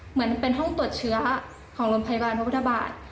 เหมือนเป็นห้องตรวจเชื้อของโรงพยาบาลพระพุทธบาท